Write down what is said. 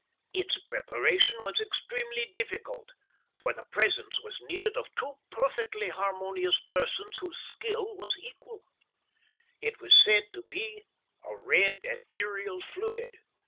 Its preparation was extremely difficult, for the presence was needed of two perfectly harmonious persons whose skill was equal. It was said to be a red ethereal fluid.